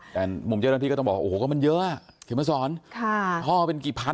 แต่มุมเจดาที่ก็ต้องบอกโอ้โหก็มันเยอะขึ้นมาสอนค่ะท่อเป็นกี่พัน